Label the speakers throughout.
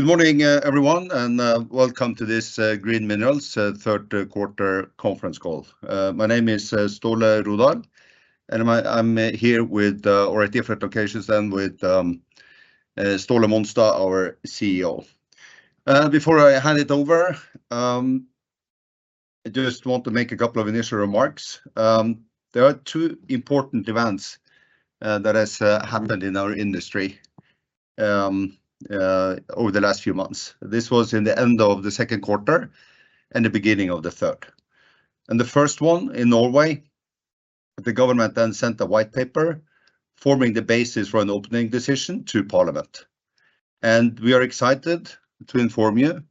Speaker 1: Good morning, everyone, and welcome to this Green Minerals Third Quarter Conference Call. My name is Ståle Rodahl, and I'm here with, or at different locations than with, Ståle Monstad, our CEO. Before I hand it over, I just want to make a couple of initial remarks. There are two important events that has happened in our industry over the last few months. This was in the end of the second quarter and the beginning of the third, and the first one in Norway. The government then sent a white paper forming the basis for an opening decision to Parliament, and we are excited to inform you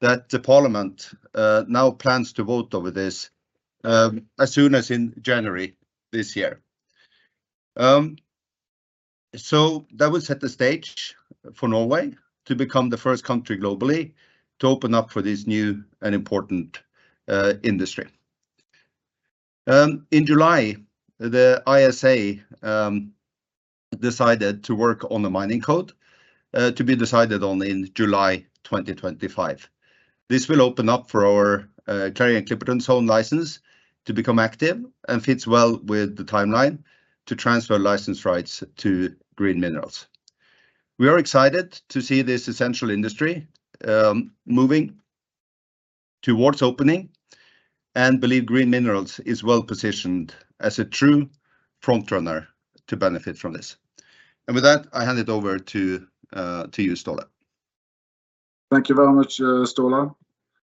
Speaker 1: that the Parliament now plans to vote over this as soon as in January this year. So that will set the stage for Norway to become the first country globally to open up for this new and important industry. In July, the ISA decided to work on the Mining Code to be decided on in July 2025. This will open up for our Clarion-Clipperton's nodule license to become active and fits well with the timeline to transfer license rights to Green Minerals. We are excited to see this essential industry moving towards opening and believe Green Minerals is well positioned as a true front runner to benefit from this. And with that, I hand it over to you, Ståle.
Speaker 2: Thank you very much, Ståle.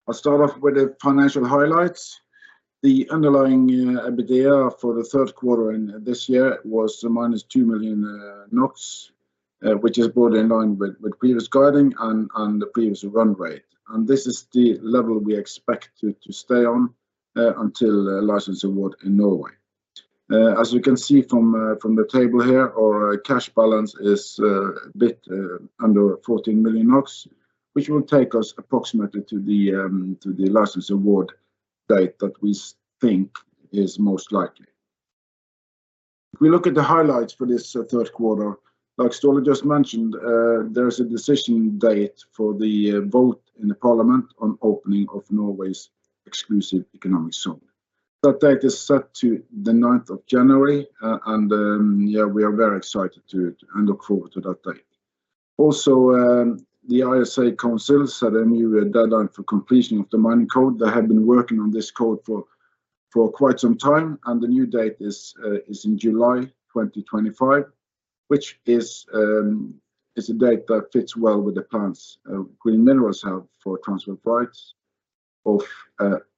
Speaker 2: I'll start off with the financial highlights. The underlying EBITDA for the third quarter in this year was -2 million NOK, which is broadly in line with previous guiding and the previous run rate, and this is the level we expect it to stay on until a license award in Norway. As you can see from the table here, our cash balance is a bit under 14 million NOK, which will take us approximately to the license award date that we think is most likely. If we look at the highlights for this third quarter, like Ståle just mentioned, there is a decision date for the vote in the Parliament on opening of Norway's exclusive economic zone. That date is set to the 9th of January. We are very excited to and look forward to that day. Also, the ISA Council set a new deadline for completion of the Mining Code. They have been working on this code for quite some time, and the new date is in July 2025, which is a date that fits well with the plans Green Minerals have for transfer of rights of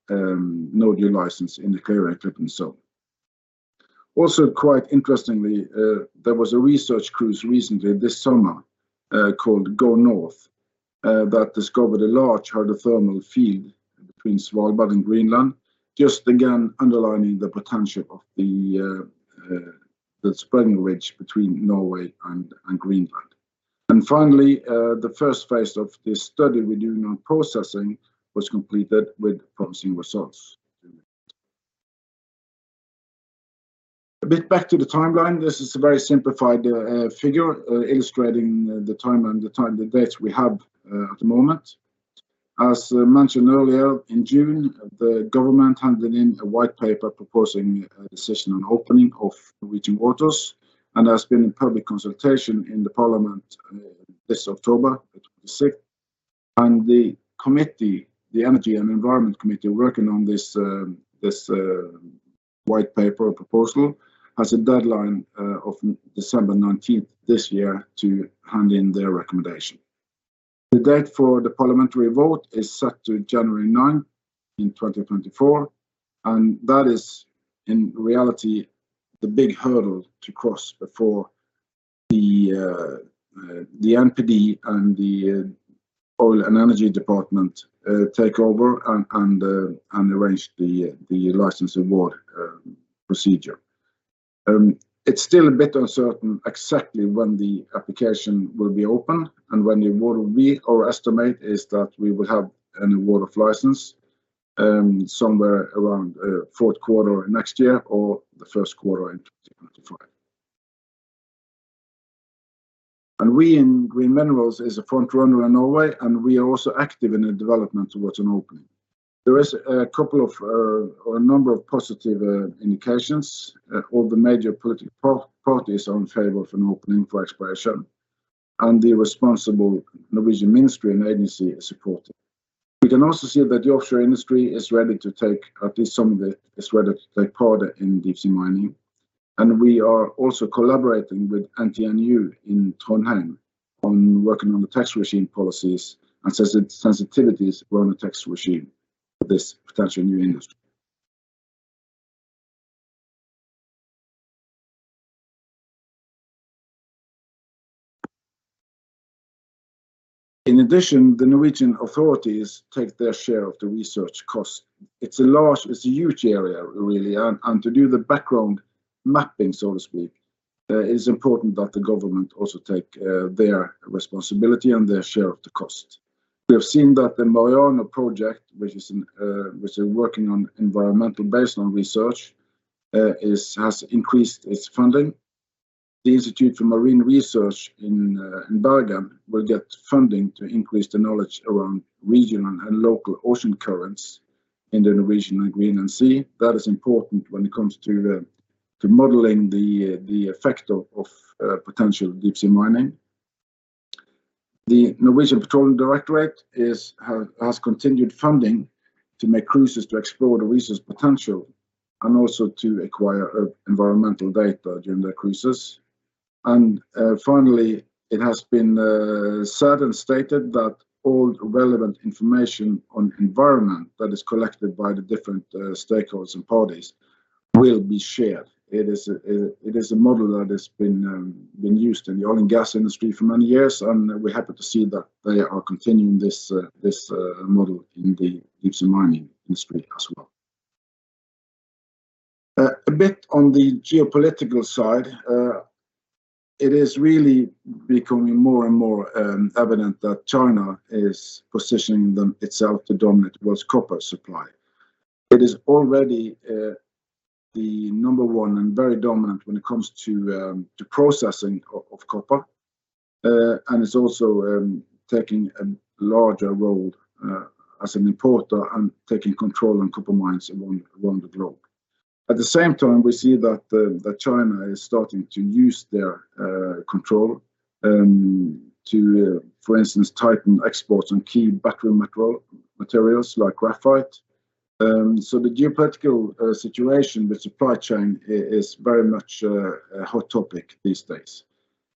Speaker 2: nodule license in the Clarion-Clipperton Zone. Also, quite interestingly, there was a research cruise recently this summer, called GoNorth, that discovered a large hydrothermal field between Svalbard and Greenland, just again underlining the potential of the spreading ridge between Norway and Greenland. And finally, the first phase of this study we're doing on processing was completed with promising results. A bit back to the timeline. This is a very simplified figure illustrating the time and the time, the dates we have at the moment. As mentioned earlier, in June, the government handed in a white paper proposing a decision on opening of Norwegian waters, and there's been public consultation in the Parliament, this October 6, and the committee, the Energy and Environment Committee, working on this, this white paper proposal, has a deadline of December 19 this year to hand in their recommendation. The date for the parliamentary vote is set to January 9, 2024, and that is, in reality, the big hurdle to cross before the NPD and the Oil and Energy Department take over and arrange the license award procedure. It's still a bit uncertain exactly when the application will be open and when the award will be. Our estimate is that we will have an award of license somewhere around fourth quarter next year or the first quarter in 2025. And we in Green Minerals is a front runner in Norway, and we are also active in the development towards an opening. There is a couple of or a number of positive indications. All the major political parties are in favor of an opening for exploration, and the responsible Norwegian ministry and agency is supporting. We can also see that the offshore industry is ready to take at least some of the sweat to take part in deep sea mining, and we are also collaborating with NTNU in Trondheim on working on the tax regime policies and sensitivities around the tax regime for this potential new industry. In addition, the Norwegian authorities take their share of the research cost. It's a large—it's a huge area, really, and to do the background mapping, so to speak, it is important that the government also take their responsibility and their share of the cost. We have seen that the MAREANO project, which is working on environmental baseline research, has increased its funding. The Institute for Marine Research in Bergen will get funding to increase the knowledge around regional and local ocean currents in the Norwegian and Greenland Sea. That is important when it comes to modeling the effect of potential deep-sea mining. The Norwegian Petroleum Directorate has continued funding to make cruises to explore the resource potential, and also to acquire environmental data during their cruises. Finally, it has been said and stated that all relevant information on environment that is collected by the different stakeholders and parties will be shared. It is a model that has been used in the oil and gas industry for many years, and we're happy to see that they are continuing this model in the deep-sea mining industry as well. A bit on the geopolitical side, it is really becoming more and more evident that China is positioning itself to dominate the world's copper supply. It is already the number one and very dominant when it comes to the processing of copper. And it's also taking a larger role as an importer and taking control on copper mines around the globe. At the same time, we see that China is starting to use their control to, for instance, tighten exports on key battery materials, like graphite. So the geopolitical situation with supply chain is very much a hot topic these days.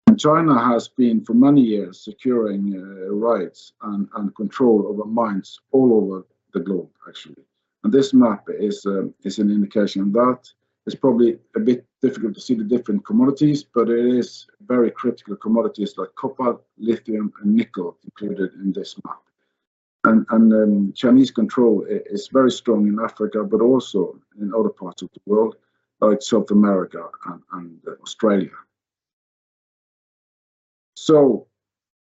Speaker 2: And China has been, for many years, securing rights and control over mines all over the globe, actually. And this map is an indication of that. It's probably a bit difficult to see the different commodities, but it is very critical commodities like copper, lithium, and nickel included in this map. Chinese control is very strong in Africa, but also in other parts of the world, like South America and Australia. So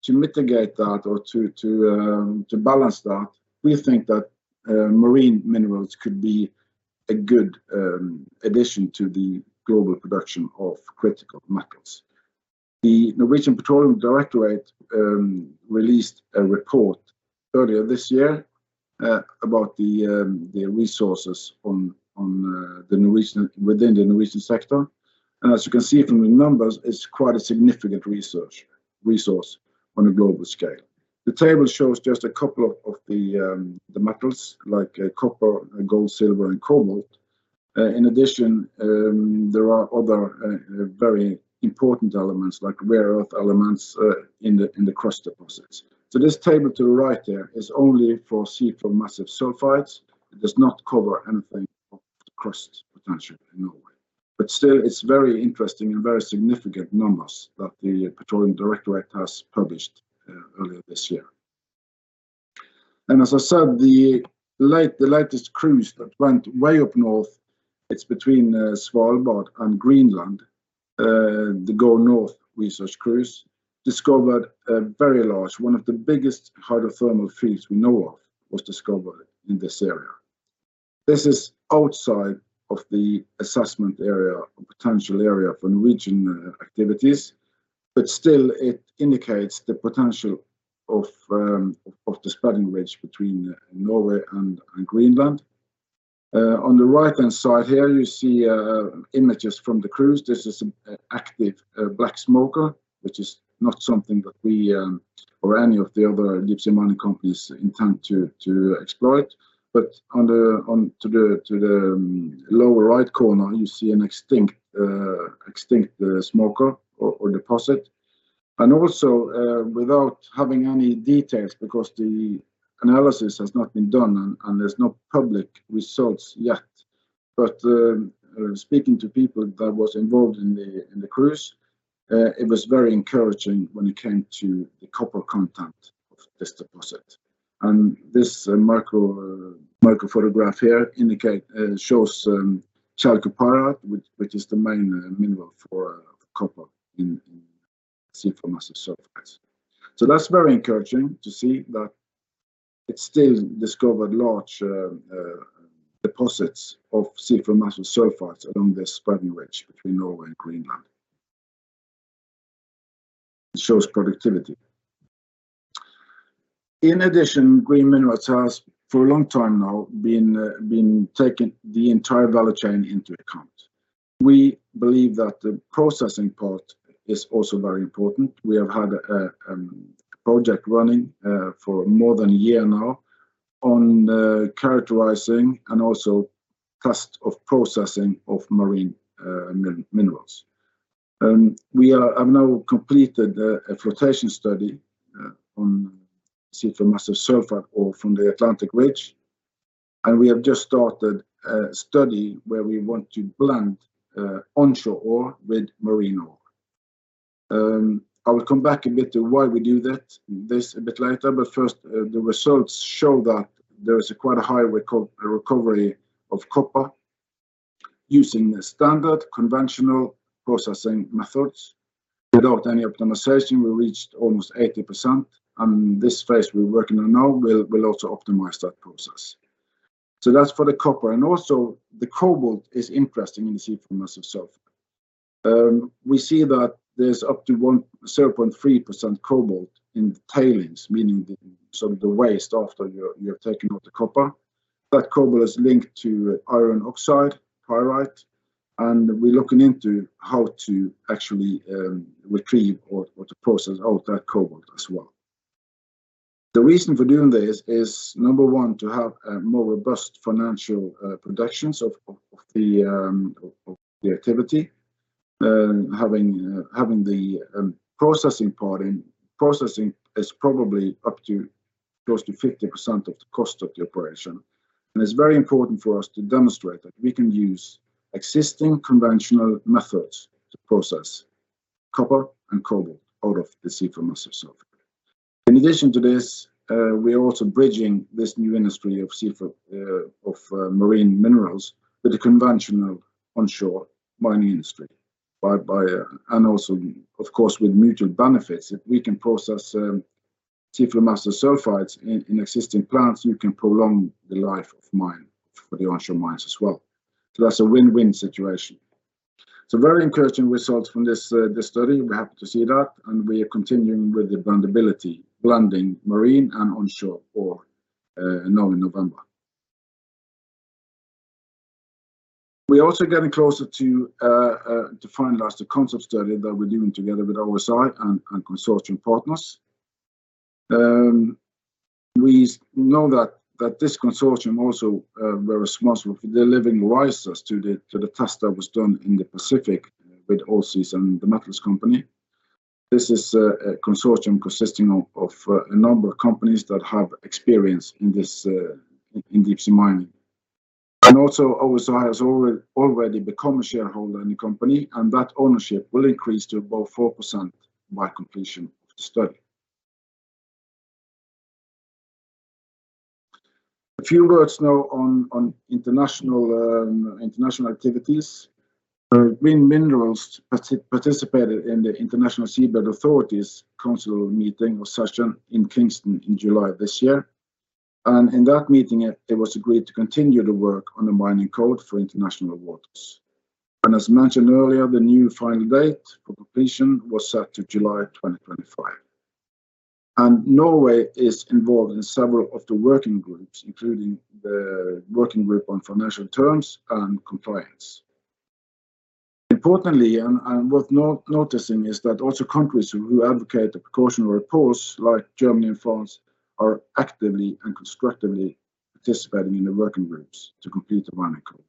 Speaker 2: to mitigate that or to balance that, we think that marine minerals could be a good addition to the global production of critical metals. The Norwegian Petroleum Directorate released a report earlier this year about the resources on the Norwegian within the Norwegian sector. As you can see from the numbers, it's quite a significant resource on a global scale. The table shows just a couple of the metals, like copper, gold, silver, and cobalt. In addition, there are other, very important elements, like rare earth elements, in the, in the crust deposits. So this table to the right there is only for seafloor massive sulfides. It does not cover anything of the crust potential in Norway. But still, it's very interesting and very significant numbers that the Petroleum Directorate has published, earlier this year. And as I said, the latest cruise that went way up north, it's between, Svalbard and Greenland, the GoNorth research cruise, discovered a very large, one of the biggest hydrothermal fields we know of, was discovered in this area. This is outside of the assessment area, a potential area for Norwegian, activities, but still it indicates the potential of, of the spreading ridge between Norway and, and Greenland. On the right-hand side here, you see images from the cruise. This is active black smoker, which is not something that we or any of the other deep-sea mining companies intend to exploit. But on the lower right corner, you see an extinct smoker or deposit. And also, without having any details, because the analysis has not been done and there's no public results yet, but speaking to people that was involved in the cruise, it was very encouraging when it came to the copper content of this deposit. And this micro photograph here shows chalcopyrite, which is the main mineral for copper in seafloor massive sulfides. So that's very encouraging to see that it's still discovered large deposits of seafloor massive sulfides along the spreading ridge between Norway and Greenland. It shows productivity. In addition, Green Minerals has, for a long time now, been taking the entire value chain into account. We believe that the processing part is also very important. We have had a project running for more than a year now on characterizing and also cost of processing of marine minerals. We have now completed a flotation study on seafloor massive sulfide ore from the Atlantic Ridge, and we have just started a study where we want to blend onshore ore with marine ore. I will come back a bit to why we do that, this a bit later, but first, the results show that there is quite a high recovery of copper using the standard conventional processing methods. Without any optimization, we reached almost 80%, and this phase we're working on now will also optimize that process. So that's for the copper, and also the cobalt is interesting in the seafloor massive sulfide. We see that there's up to 0.3% cobalt in the tailings, meaning the, so the waste after you're taking out the copper. That cobalt is linked to iron oxide, pyrite, and we're looking into how to actually retrieve or to process out that cobalt as well. The reason for doing this is, number one, to have a more robust financial productions of the activity. Having the processing part in. Processing is probably up to close to 50% of the cost of the operation, and it's very important for us to demonstrate that we can use existing conventional methods to process copper and cobalt out of the seafloor massive sulfide. In addition to this, we are also bridging this new industry of seafloor marine minerals with the conventional onshore mining industry by and also, of course, with mutual benefits. If we can process seafloor massive sulfides in existing plants, we can prolong the life of mine for the onshore mines as well. So that's a win-win situation. So very encouraging results from this study. We're happy to see that, and we are continuing with the blendability, blending marine and onshore ore, now in November. We are also getting closer to finalize the concept study that we're doing together with OSI and consortium partners. We know that this consortium also very responsible for delivering risers to the test that was done in the Pacific with Oil States and The Metals Company. This is a consortium consisting of a number of companies that have experience in this, in deep-sea mining. And also, OSI has already become a shareholder in the company, and that ownership will increase to about 4% by completion of the study. A few words now on international activities. Green Minerals participated in the International Seabed Authority's council meeting or session in Kingston in July this year, and in that meeting, it was agreed to continue to work on the mining code for international waters. As mentioned earlier, the new final date for completion was set to July 2025, and Norway is involved in several of the working groups, including the working group on financial terms and compliance. Importantly, and worth noticing, is that also countries who advocate the precautionary reports, like Germany and France, are actively and constructively participating in the working groups to complete the mining code.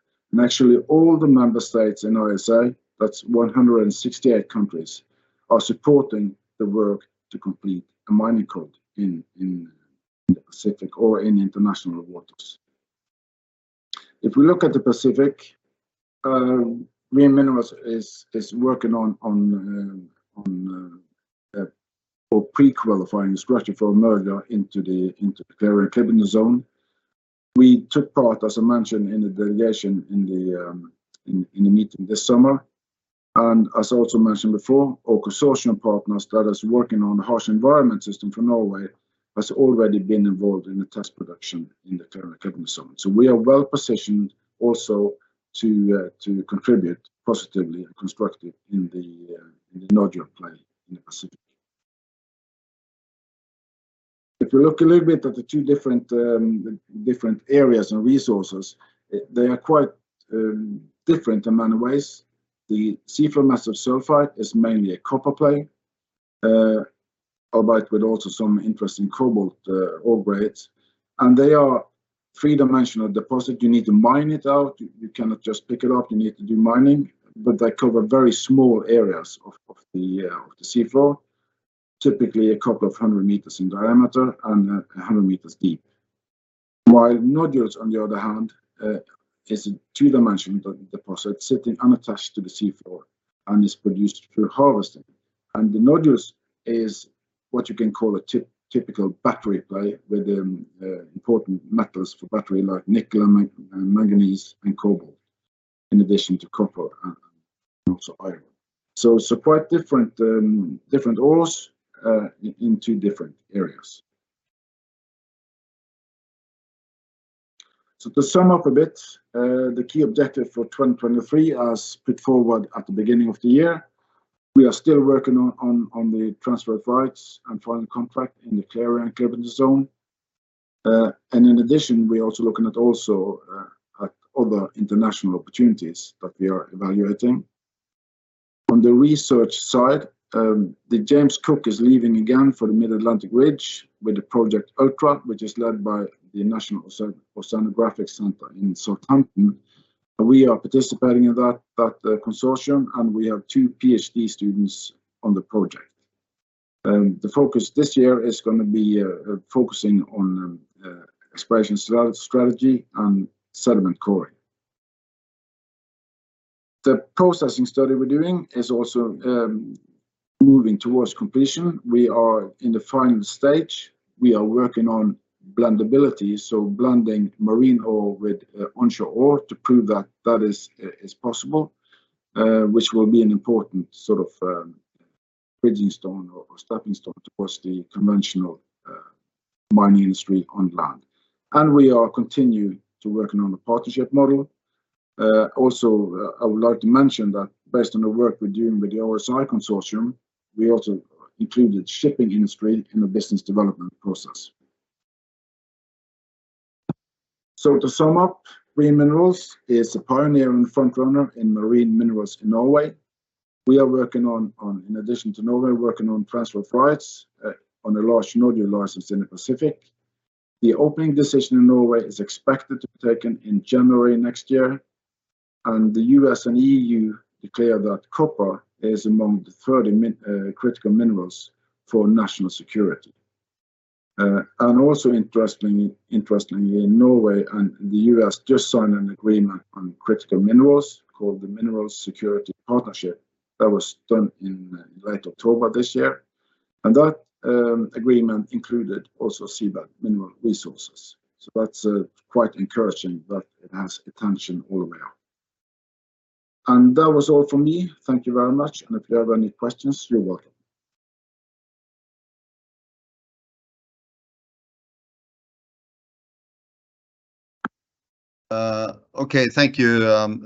Speaker 2: Actually, all the member states in ISA, that's 168 countries, are supporting the work to complete the mining code in the Pacific or in international waters. If we look at the Pacific, Green Minerals is working on pre-qualifying scratching for merger into the Clarion-Clipperton Zone. We took part, as I mentioned, in the delegation in the meeting this summer, and as I also mentioned before, our consortium partners that is working on harsh environment system for Norway, has already been involved in the test production in the Clarion-Clipperton Zone. We are well-positioned also to contribute positively and constructively in the nodule play in the Pacific. If you look a little bit at the two different areas and resources, they are quite different in many ways. The seafloor massive sulfide is mainly a copper play, albeit with also some interesting cobalt ore grades, and they are three-dimensional deposit. You need to mine it out. You cannot just pick it up. You need to do mining, but they cover very small areas of the seafloor. Typically, 200 meters in diameter and 100 meters deep. While nodules, on the other hand, is a two-dimensional deposit sitting unattached to the seafloor and is produced through harvesting, and the nodules is what you can call a typical battery play with important metals for battery, like nickel and manganese, and cobalt, in addition to copper, and also iron. So it's quite different, different ores in two different areas. So to sum up a bit, the key objective for 2023, as put forward at the beginning of the year, we are still working on the transfer of rights and final contract in the Clarion-Clipperton Zone. And in addition, we're also looking at other international opportunities that we are evaluating. On the research side, the James Cook is leaving again for the Mid-Atlantic Ridge with the project ULTRA, which is led by the National Oceanography Centre in Southampton, and we are participating in that consortium, and we have two PhD students on the project. The focus this year is gonna be focusing on exploration strategy and sediment coring. The processing study we're doing is also moving towards completion. We are in the final stage. We are working on... blendability, so blending marine ore with onshore ore to prove that that is possible, which will be an important sort of bridging stone or stepping stone towards the conventional mining industry on land. We are continuing to working on the partnership model. Also, I would like to mention that based on the work we're doing with the OSI consortium, we also included shipping industry in the business development process. So to sum up, Green Minerals is a pioneer and frontrunner in marine minerals in Norway. We are working on, in addition to Norway, working on transatlantic, on a large nodule license in the Pacific. The opening decision in Norway is expected to be taken in January next year, and the U.S. and EU declare that copper is among the 30 minerals- critical minerals for national security. Also interestingly, Norway and the U.S. just signed an agreement on critical minerals called the Mineral Security Partnership. That was done in late October this year, and that agreement included also seabed mineral resources. So that's quite encouraging that it has attention all the way up. And that was all from me. Thank you very much, and if you have any questions, you're welcome.
Speaker 1: Okay, thank you,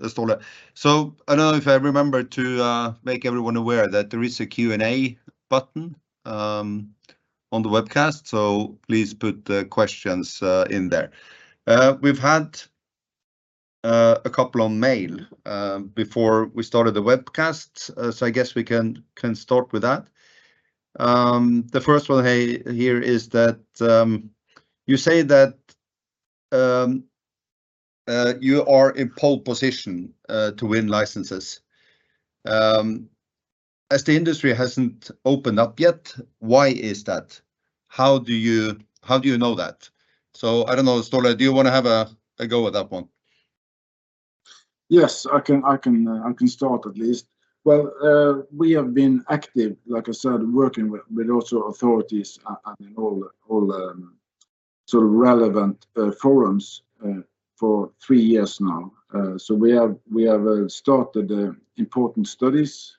Speaker 1: Ståle. So I don't know if I remember to make everyone aware that there is a Q&A button on the webcast, so please put the questions in there. We've had a couple on email before we started the webcast, so I guess we can start with that. The first one here is that you say that you are in pole position to win licenses. As the industry hasn't opened up yet, why is that? How do you know that? So I don't know, Ståle, do you want to have a go at that one?
Speaker 2: Yes, I can start at least. Well, we have been active, like I said, working with also authorities and in all the sort of relevant forums for three years now. So we have started important studies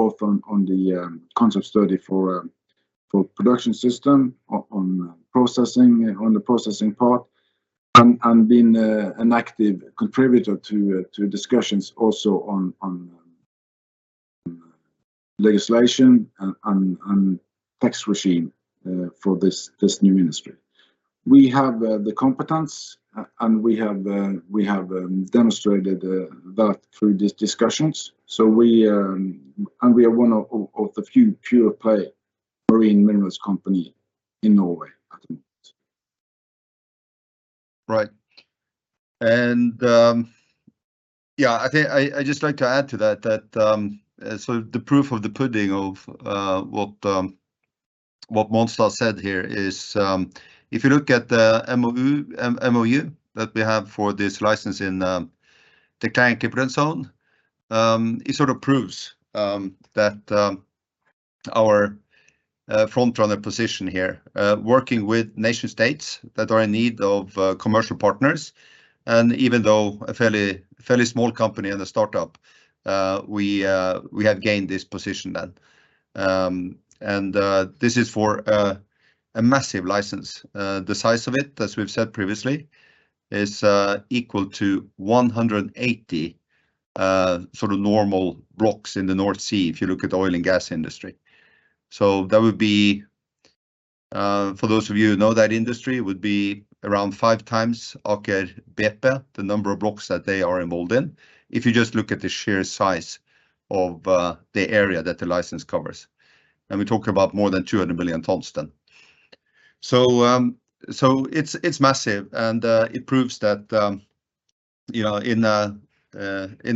Speaker 2: both on the concept study for production system, on processing, on the processing part, and been an active contributor to discussions also on legislation and on tax regime for this new industry. We have the competence and we have demonstrated that through these discussions. So we and we are one of the few pure play marine minerals company in Norway at the moment.
Speaker 1: Right. And yeah, I think I'd just like to add to that, so the proof of the pudding of what Monstad said here is, if you look at the MOU that we have for this license in the Clarion-Clipperton Zone, it sort of proves that our frontrunner position here, working with nation states that are in need of commercial partners, and even though a fairly, fairly small company and a start-up, we have gained this position then. And this is for a massive license. The size of it, as we've said previously, is equal to 180 sort of normal blocks in the North Sea, if you look at the oil and gas industry. So that would be, for those of you who know, that industry, would be around five times Aker BP, the number of blocks that they are involved in, if you just look at the sheer size of, the area that the license covers, and we talk about more than 200 million tonnes. So it's massive, and it proves that, you know, in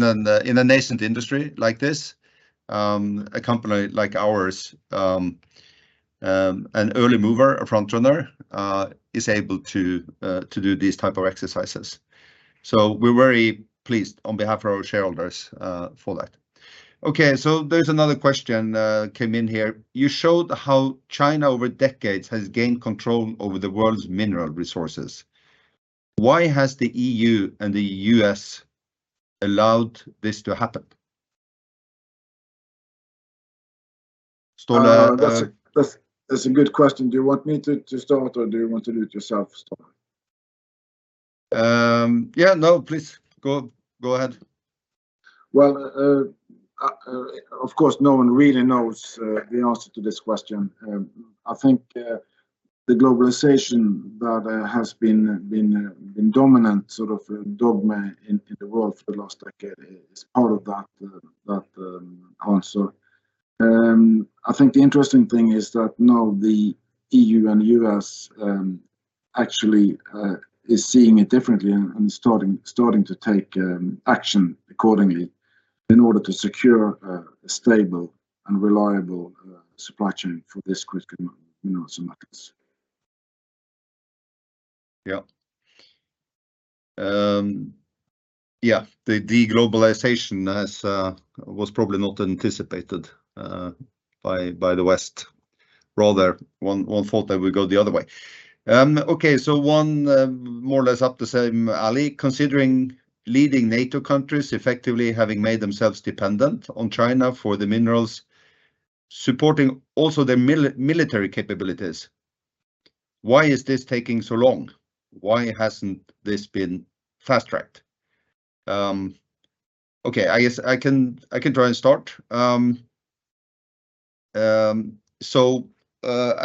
Speaker 1: an nascent industry like this, a company like ours, an early mover, a frontrunner, is able to do these type of exercises. So we're very pleased on behalf of our shareholders, for that. Okay, so there's another question came in here: "You showed how China, over decades, has gained control over the world's mineral resources. Why has the EU and the U.S. allowed this to happen? Ståle,
Speaker 2: That's a good question. Do you want me to start, or do you want to do it yourself, Ståle?
Speaker 1: Yeah, no, please, go, go ahead.
Speaker 2: Well, of course, no one really knows the answer to this question. I think the globalization that has been dominant sort of dogma in the world for the last decade is part of that answer. I think the interesting thing is that now the EU and U.S. actually is seeing it differently and starting to take action accordingly in order to secure a stable and reliable supply chain for this critical mineral markets.
Speaker 1: The globalization as was probably not anticipated by the West. Rather, one thought that we go the other way. More or less up the same alley, considering leading NATO countries effectively having made themselves dependent on China for the minerals, supporting also the military capabilities. Why is this taking so long? Why hasn't this been fast-tracked? I guess I can try and start. I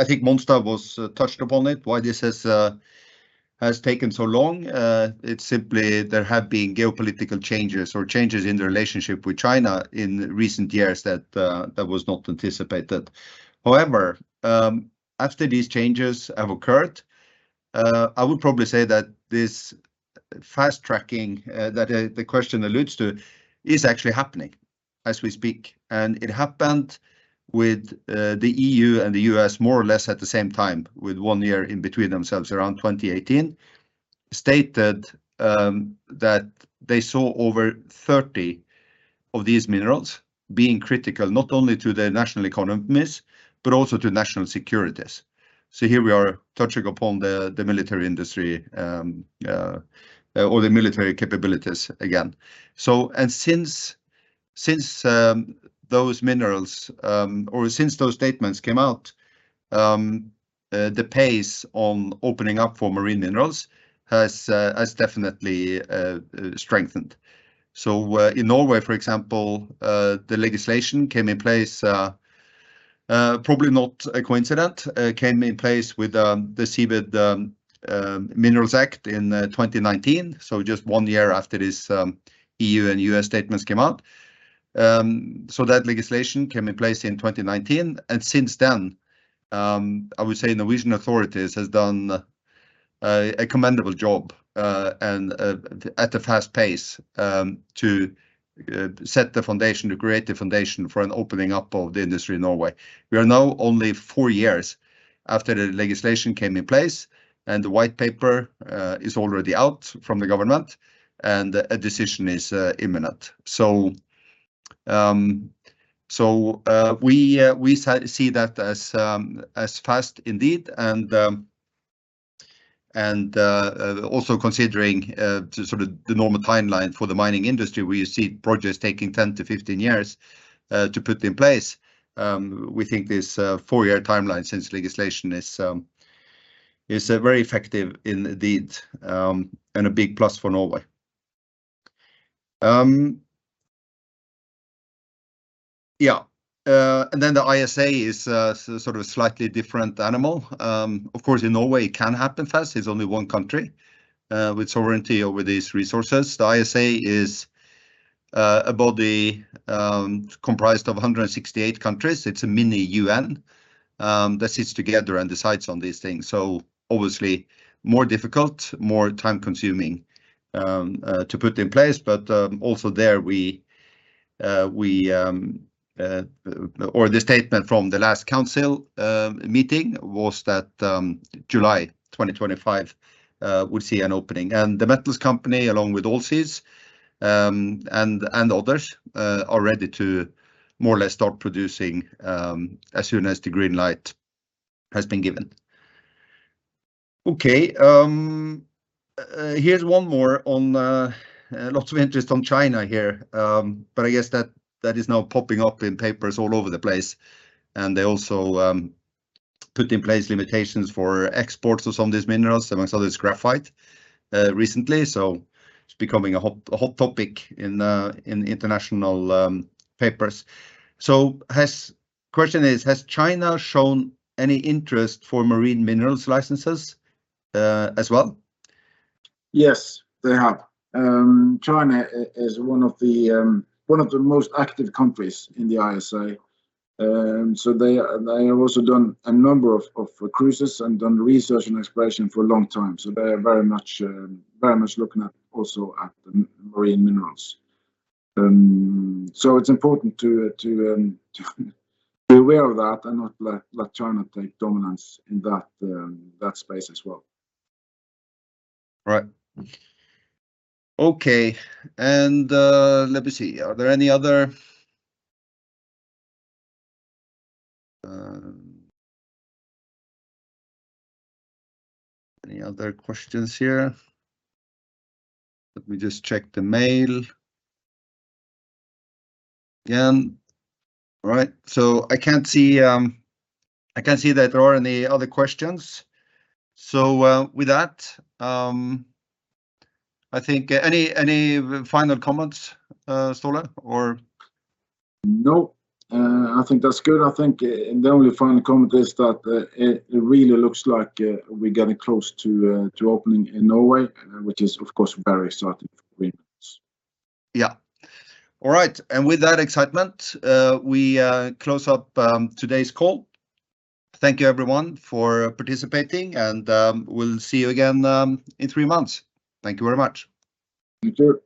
Speaker 1: think Monstad was touched upon it, why this has taken so long. It's simply there have been geopolitical changes or changes in the relationship with China in recent years that was not anticipated. However, after these changes have occurred, I would probably say that this fast-tracking that the question alludes to is actually happening as we speak. It happened with the E.U. and the U.S. more or less at the same time, with one year in between themselves, around 2018, stated that they saw over 30 of these minerals being critical, not only to their national economies, but also to national securities. So here we are touching upon the military industry or the military capabilities again. So, since those statements came out, the pace on opening up for marine minerals has definitely strengthened. So, in Norway, for example, the legislation came in place, probably not a coincidence, came in place with the Seabed Minerals Act in 2019. So just one year after this, EU and U.S. statements came out. So that legislation came in place in 2019, and since then, I would say Norwegian authorities has done a commendable job, and at a fast pace, to set the foundation, to create the foundation for an opening up of the industry in Norway. We are now only four years after the legislation came in place, and the white paper is already out from the government, and a decision is imminent. So, we see that as fast indeed, and also considering sort of the normal timeline for the mining industry, where you see projects taking 10-15 years to put in place, we think this 4-year timeline since legislation is very effective indeed, and a big plus for Norway. Yeah. And then the ISA is sort of a slightly different animal. Of course, in Norway it can happen fast. It's only one country with sovereignty over these resources. The ISA is a body comprised of 168 countries. It's a mini UN that sits together and decides on these things. So obviously, more difficult, more time-consuming to put in place. But also there we... Or the statement from the last council meeting was that July 2025 we'll see an opening. And the Metals Company, along with Allseas and others, are ready to more or less start producing as soon as the green light has been given. Okay, here's one more on lots of interest on China here. But I guess that is now popping up in papers all over the place, and they also put in place limitations for exports of some of these minerals, amongst other is graphite recently. So it's becoming a hot topic in international papers. So question is, has China shown any interest for marine minerals licenses as well?
Speaker 2: Yes, they have. China is one of the, one of the most active countries in the ISA. So they, they have also done a number of, of cruises and done research and exploration for a long time. So they are very much, very much looking at also at marine minerals. So it's important to, to, to be aware of that and not let, let China take dominance in that, that space as well.
Speaker 1: Right. Okay, and, let me see. Are there any other... Any other questions here? Let me just check the mail. Yeah. Right, so I can't see, I can't see that there are any other questions. So, with that, I think any final comments, Ståle or-
Speaker 2: No, I think that's good. I think the only final comment is that it really looks like we're getting close to opening in Norway, which is, of course, very exciting for us.
Speaker 1: Yeah. All right, and with that excitement, we close up today's call. Thank you, everyone, for participating, and we'll see you again in three months. Thank you very much.
Speaker 2: You too.